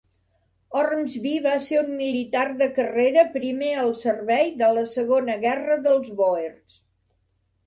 Ormsby va ser un militar de carrera primer al servei de la segona guerra dels bòers.